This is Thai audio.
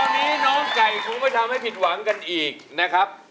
วันนี้น้องไก่พูไม่ทำให้ผิดหวังกันอีก